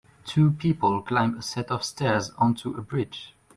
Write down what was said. Two people climb a set of stairs onto a bridge